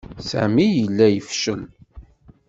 Sami yella yefcel.